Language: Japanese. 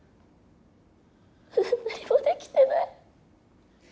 まだ何もできてない。